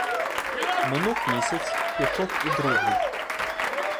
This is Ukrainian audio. Минув місяць, пішов і другий.